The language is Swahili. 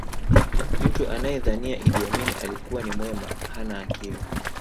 mtu anayedhania idi amin alikuwa ni mwema hana akili